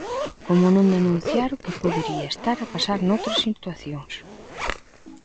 Como non denunciar o que podería estar a pasar noutras situacións.